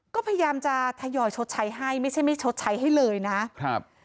ก็พยายามจะทยอยชดใช้ให้ไม่ใช่ไม่ชดใช้ให้เลยนะครับ